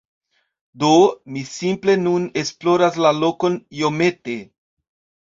Do, mi simple nun esploras la lokon iomete